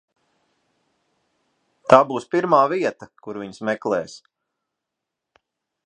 Tā būs pirmā vieta, kur viņus meklēs.